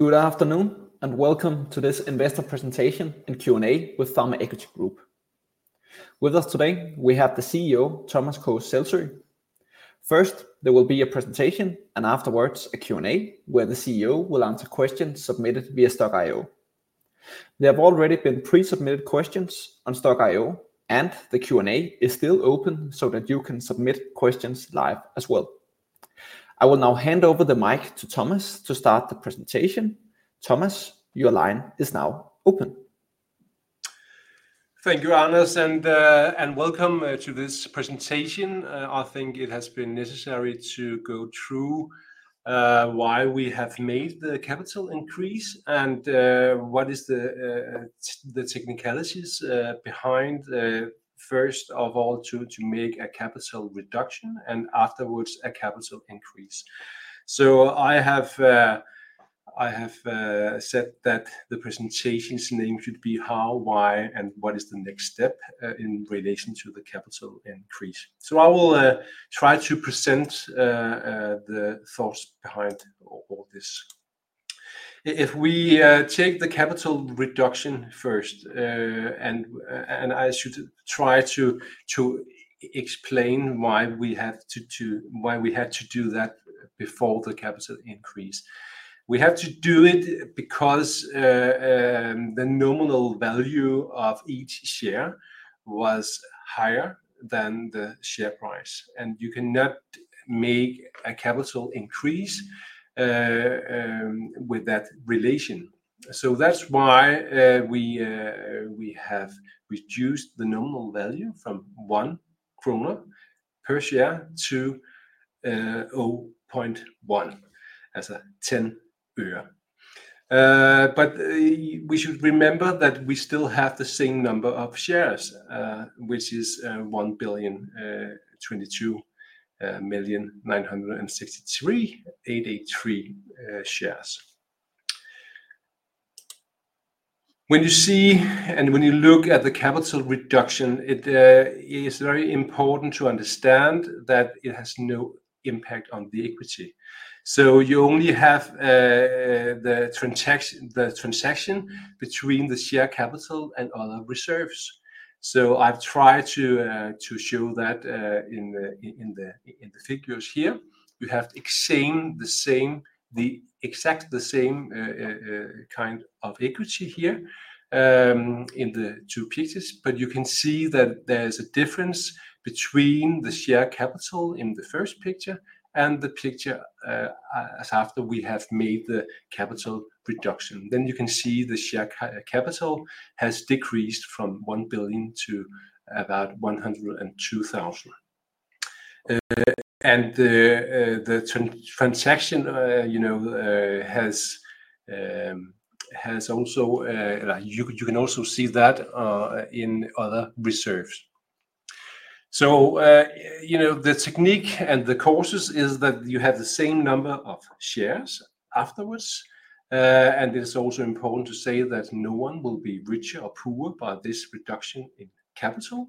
Good afternoon, and welcome to this Investor Presentation and Q&A with Pharma Equity Group. With us today, we have the CEO, Thomas Kaas Selsø. First, there will be a presentation, and afterwards, a Q&A, where the CEO will answer questions submitted via Stokk.io. There have already been pre-submitted questions on Stokk.io, and the Q&A is still open so that you can submit questions live as well. I will now hand over the mic to Thomas to start the presentation. Thomas, your line is now open. Thank you, Anders, and welcome to this presentation. I think it has been necessary to go through why we have made the capital increase and what is the technicalities behind the first of all to make a capital reduction and afterwards a capital increase. So I have said that the presentation's name should be how, why, and what is the next step in relation to the capital increase. So I will try to present the thoughts behind all this. If we take the capital reduction first, and I should try to explain why we had to do that before the capital increase. We have to do it because the nominal value of each share was higher than the share price, and you cannot make a capital increase with that relation. So that's why we have reduced the nominal value from one kroner per share to oh point one, as a ten øre. But we should remember that we still have the same number of shares, which is one billion, twenty-two million, nine hundred and sixty-three, eighty three shares. When you see and when you look at the capital reduction, it is very important to understand that it has no impact on the equity. So you only have the transaction between the share capital and other reserves. So I've tried to show that in the figures here. You have the same, the exact same kind of equity here in the two pieces, but you can see that there's a difference between the share capital in the first picture and the picture after we have made the capital reduction. Then you can see the share capital has decreased from one billion to about one hundred and two thousand. And the transaction, you know, has also, you can also see that in other reserves. So, you know, the technique and the causes is that you have the same number of shares afterwards. And it is also important to say that no one will be richer or poorer by this reduction in capital.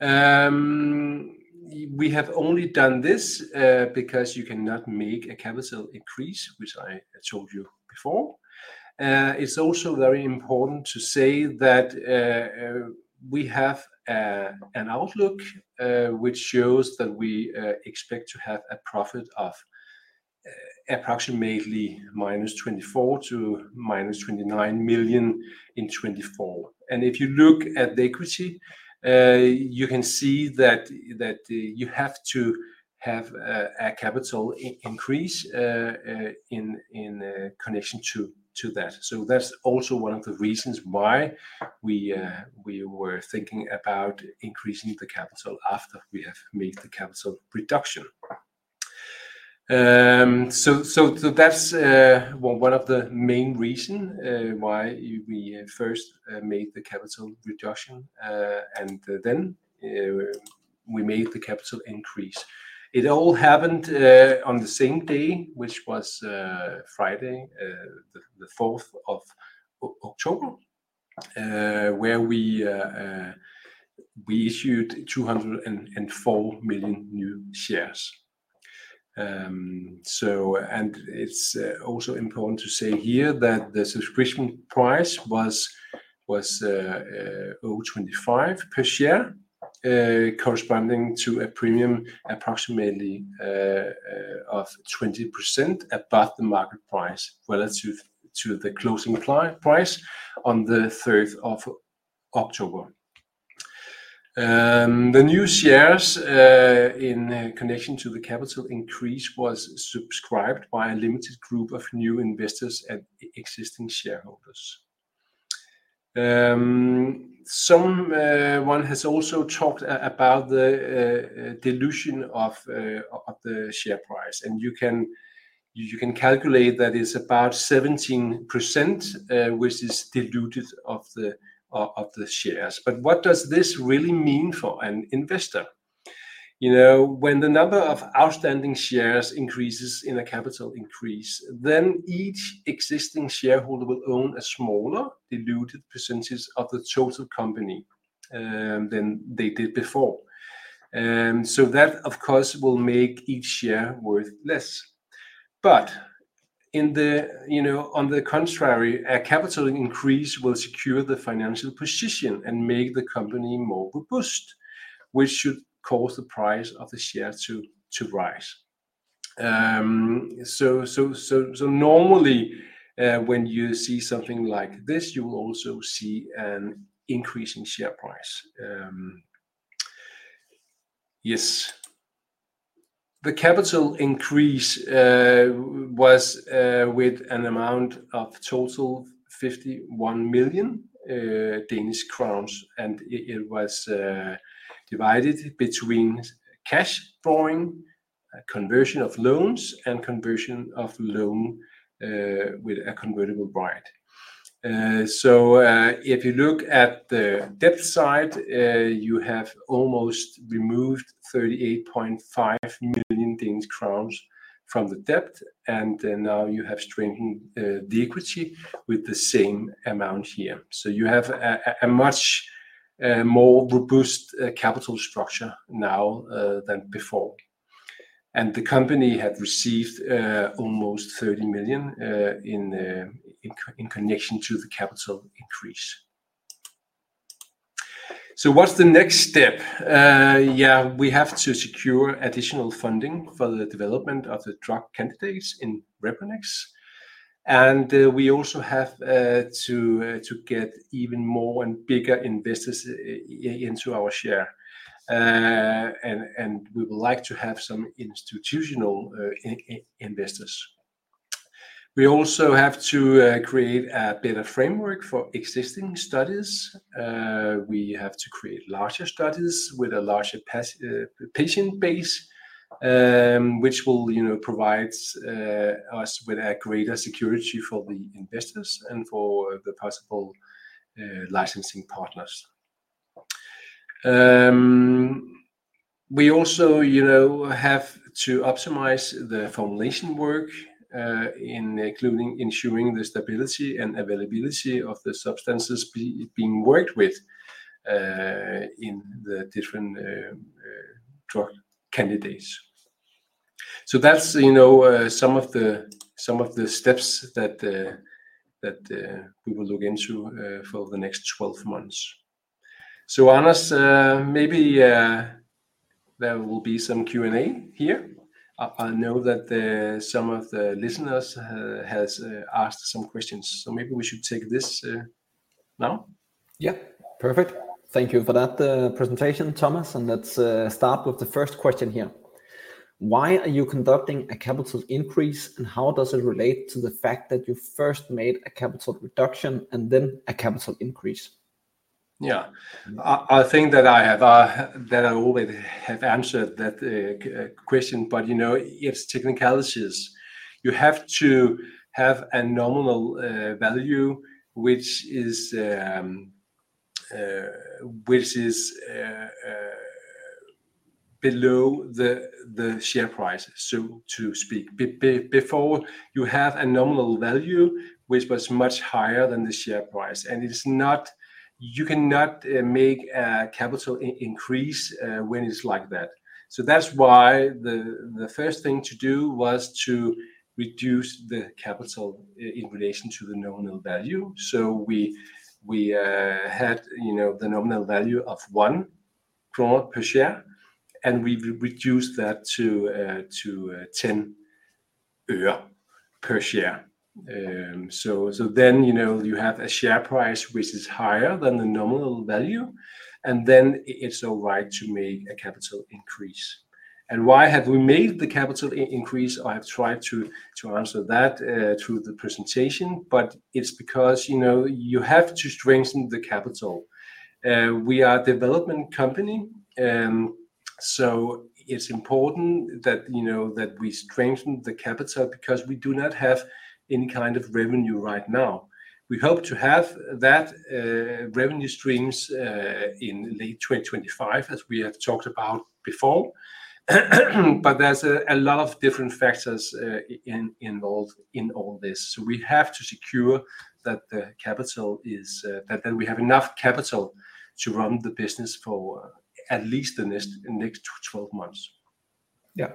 We have only done this because you cannot make a capital increase, which I told you before. It's also very important to say that we have an outlook which shows that we expect to have a profit of approximately minus 24 to minus 29 million DKK in 2024. And if you look at the equity, you can see that you have to have a capital increase in connection to that. So that's also one of the reasons why we were thinking about increasing the capital after we have made the capital reduction. So that's one of the main reason why we first made the capital reduction, and then we made the capital increase. It all happened on the same day, which was Friday, the fourth of October, where we issued 204 million new shares. So and it's also important to say here that the subscription price was 0.5 per share, corresponding to a premium approximately of 20% above the market price, relative to the closing price on the third of October. The new shares in connection to the capital increase was subscribed by a limited group of new investors and existing shareholders. Someone has also talked about the dilution of the share price, and you can calculate that it's about 17%, which is diluted of the shares. But what does this really mean for an investor? You know, when the number of outstanding shares increases in a capital increase, then each existing shareholder will own a smaller diluted percentage of the total company. than they did before. So that, of course, will make each share worth less. But in the, you know, on the contrary, a capital increase will secure the financial position and make the company more robust, which should cause the price of the share to rise. So normally, when you see something like this, you will also see an increase in share price. Yes, the capital increase was with an amount of total 51 million Danish crowns, and it was divided between cash flowing, conversion of loans, and conversion of loan with a convertible bond. So, if you look at the debt side, you have almost removed 38.5 million Danish crowns from the debt, and then now you have strengthened the equity with the same amount here. So you have a much more robust capital structure now than before. And the company had received almost 30 million in connection to the capital increase. So what's the next step? Yeah, we have to secure additional funding for the development of the drug candidates in Reponex. We also have to get even more and bigger investors into our share. And we would like to have some institutional investors. We also have to create a better framework for existing studies. We have to create larger studies with a larger patient base, which will, you know, provide us with a greater security for the investors and for the possible licensing partners. We also, you know, have to optimize the formulation work, including ensuring the stability and availability of the substances being worked with in the different drug candidates. So that's, you know, some of the steps that we will look into for the next twelve months. So, Anders, maybe there will be some Q&A here. I know that some of the listeners has asked some questions, so maybe we should take this now. Yeah. Perfect. Thank you for that presentation, Thomas, and let's start with the first question here: Why are you conducting a capital increase, and how does it relate to the fact that you first made a capital reduction and then a capital increase? Yeah. I think that I already have answered that question, but, you know, it's technicalities. You have to have a nominal value, which is below the share price, so to speak. Before you have a nominal value, which was much higher than the share price, and it's not... You cannot make a capital increase when it's like that. So that's why the first thing to do was to reduce the capital in relation to the nominal value. So we had, you know, the nominal value of one crown per share, and we reduced that to ten øre per share. So then, you know, you have a share price which is higher than the nominal value, and then it's all right to make a capital increase. And why have we made the capital increase? I have tried to answer that through the presentation, but it's because, you know, you have to strengthen the capital. We are a development company, so it's important that, you know, that we strengthen the capital because we do not have any kind of revenue right now. We hope to have that revenue streams in late 2025, as we have talked about before. But there's a lot of different factors involved in all this, so we have to secure that we have enough capital to run the business for at least the next twelve months. Yeah.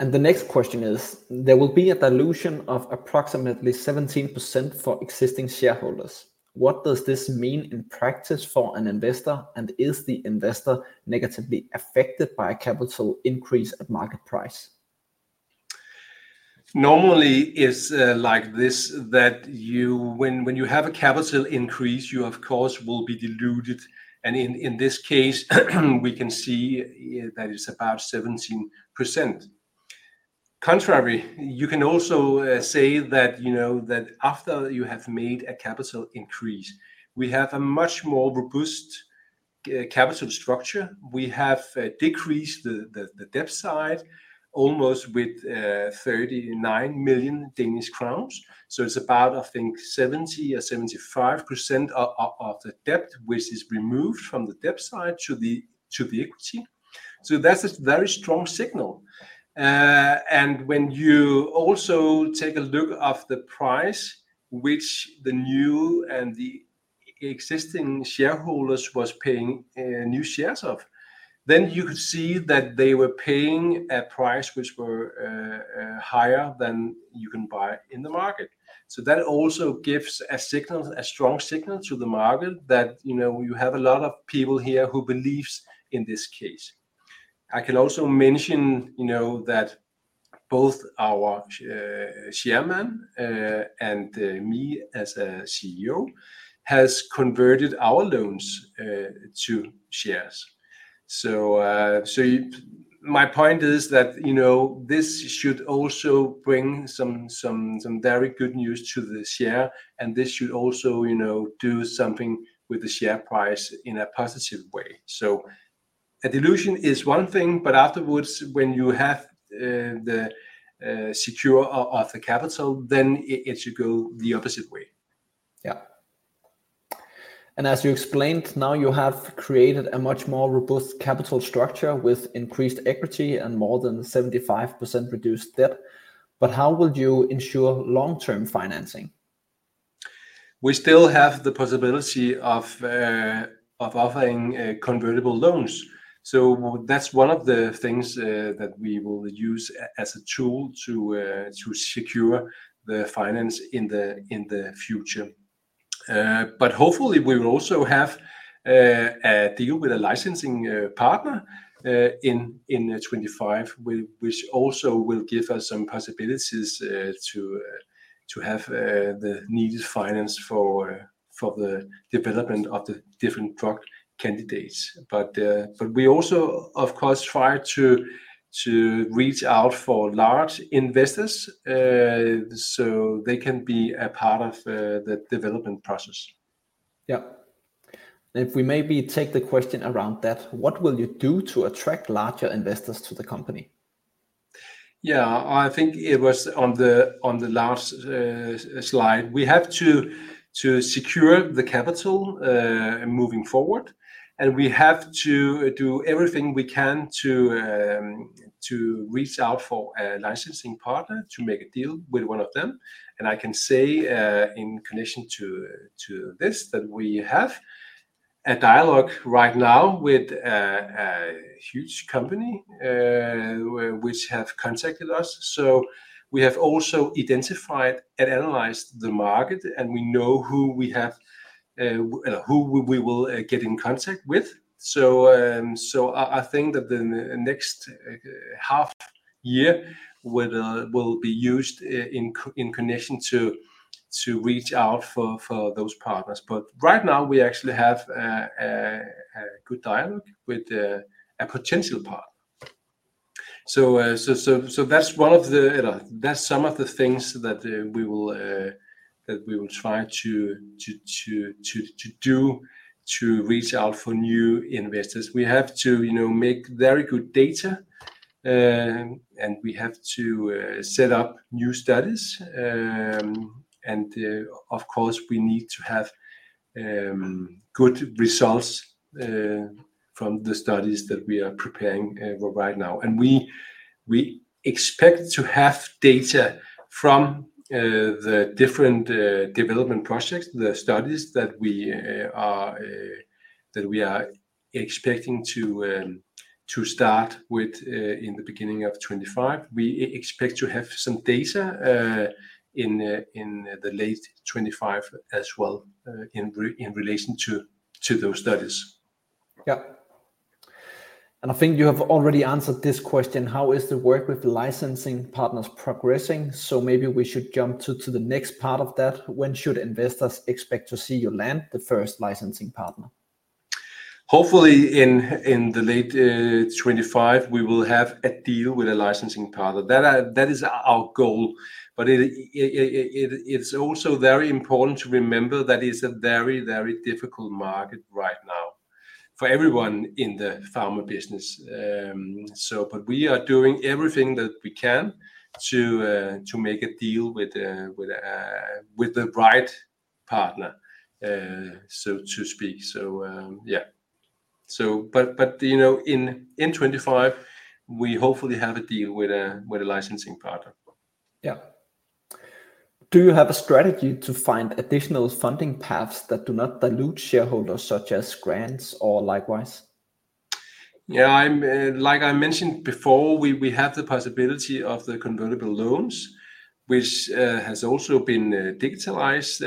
And the next question is, there will be a dilution of approximately 17% for existing shareholders. What does this mean in practice for an investor, and is the investor negatively affected by a capital increase at market price? Normally, it's like this, that you. When you have a capital increase, you, of course, will be diluted, and in this case, we can see, yeah, that it's about 17%. Contrary, you can also say that, you know, that after you have made a capital increase, we have a much more robust capital structure. We have decreased the debt side almost with 39 million Danish crowns. So it's about, I think, 70% or 75% of the debt, which is removed from the debt side to the equity. So that's a very strong signal. And when you also take a look at the price which the new and the existing shareholders was paying, new shares off. Then you could see that they were paying a price which were higher than you can buy in the market. So that also gives a signal, a strong signal to the market that, you know, you have a lot of people here who believes in this case. I can also mention, you know, that both our chairman and me as CEO has converted our loans to shares. So my point is that, you know, this should also bring some very good news to the share, and this should also, you know, do something with the share price in a positive way. So a dilution is one thing, but afterwards, when you have the securing of the capital, then it should go the opposite way. Yeah, and as you explained, now you have created a much more robust capital structure with increased equity and more than 75% reduced debt, but how will you ensure long-term financing? We still have the possibility of offering convertible loans, so that's one of the things that we will use as a tool to secure the finance in the future, but hopefully we will also have a deal with a licensing partner in 2025, which also will give us some possibilities to have the needed finance for the development of the different product candidates, but we also, of course, try to reach out for large investors so they can be a part of the development process. Yeah. If we maybe take the question around that, what will you do to attract larger investors to the company? Yeah, I think it was on the last slide. We have to secure the capital moving forward, and we have to do everything we can to reach out for a licensing partner, to make a deal with one of them. And I can say in connection to this that we have a dialogue right now with a huge company which have contacted us. So we have also identified and analyzed the market, and we know who we will get in contact with. So I think that the next half year will be used in connection to reach out for those partners. But right now we actually have a good dialogue with a potential partner. So that's one of the... That's some of the things that we will try to do to reach out for new investors. We have to, you know, make very good data, and we have to set up new studies. And of course, we need to have good results from the studies that we are preparing right now. We expect to have data from the different development projects, the studies that we are expecting to start with in the beginning of 2025. We expect to have some data in the late 2025 as well in relation to those studies. Yeah. And I think you have already answered this question: How is the work with the licensing partners progressing? So maybe we should jump to the next part of that. When should investors expect to see you land the first licensing partner? Hopefully in the late 2025, we will have a deal with a licensing partner. That is our goal, but it's also very important to remember that it's a very, very difficult market right now for everyone in the pharma business. So but we are doing everything that we can to make a deal with the right partner, so to speak. So but, you know, in 2025, we hopefully have a deal with a licensing partner. Yeah. Do you have a strategy to find additional funding paths that do not dilute shareholders, such as grants or likewise? Yeah, I'm, like I mentioned before, we have the possibility of the convertible loans, which has also been digitalized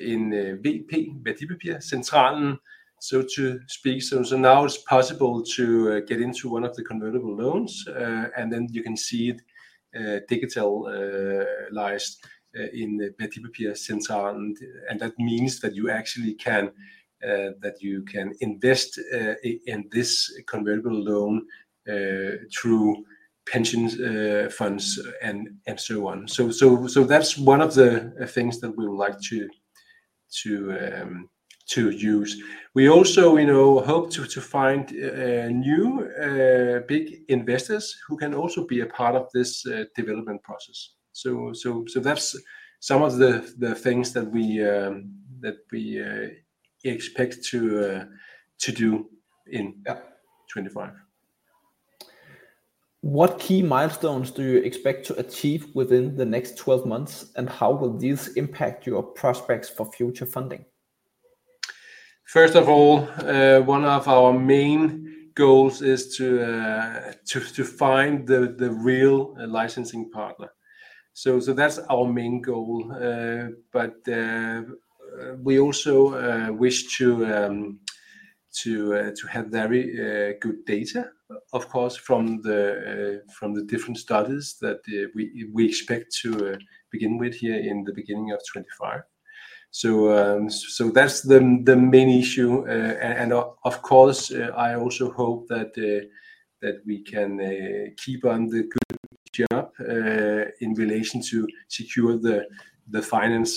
in VP, Værdipapircentralen, so to speak. So now it's possible to get into one of the convertible loans, and then you can see it digitalized in Værdipapircentralen. And that means that you actually can invest in this convertible loan through pension funds and so on. So that's one of the things that we would like to use. We also, you know, hope to find new big investors who can also be a part of this development process. So that's some of the things that we expect to do in, yeah, 2025. What key milestones do you expect to achieve within the next twelve months, and how will these impact your prospects for future funding? First of all, one of our main goals is to find the real licensing partner. So that's our main goal. But we also wish to have very good data, of course, from the different studies that we expect to begin with here in the beginning of 2025. So that's the main issue, and of course, I also hope that we can keep on the good job in relation to secure the finance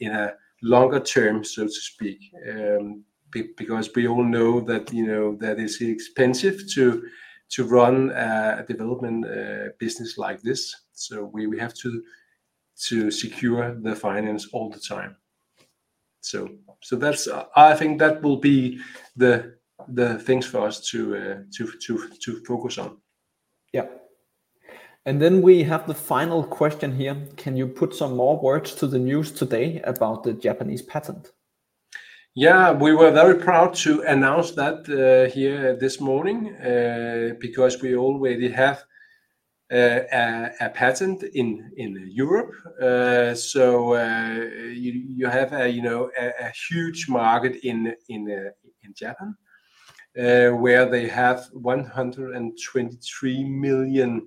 in a longer term, so to speak. Because we all know that, you know, that it's expensive to run a development business like this, so we have to secure the finance all the time. That’s. I think that will be the things for us to focus on. Yeah. And then we have the final question here: Can you put some more words to the news today about the Japanese patent? Yeah, we were very proud to announce that here this morning because we already have a patent in Europe. So you have a you know a huge market in Japan where they have 123 million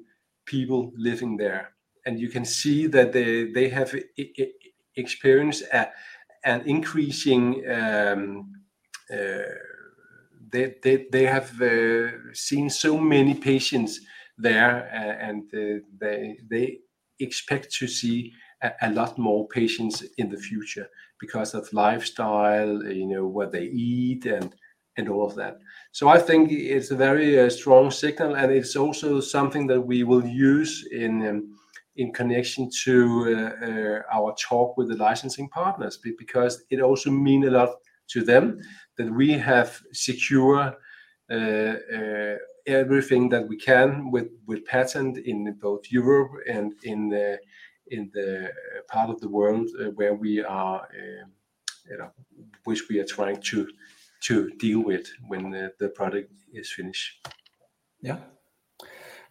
people living there. And you can see that they have seen so many patients there and they expect to see a lot more patients in the future because of lifestyle you know what they eat and all of that. So I think it's a very strong signal and it's also something that we will use in connection to our talk with the licensing partners. Because it also mean a lot to them that we have secure everything that we can with patent in both Europe and in the part of the world where we are, you know, which we are trying to deal with when the product is finished. Yeah.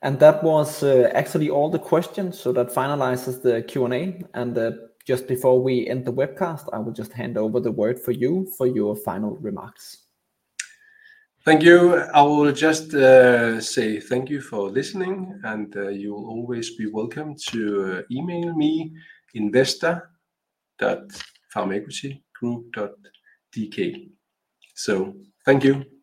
And that was, actually all the questions, so that finalizes the Q&A. And, just before we end the webcast, I will just hand over the word for you for your final remarks. Thank you. I will just say thank you for listening, and you will always be welcome to email me, investor@pharmaequitygroup.dk. So thank you!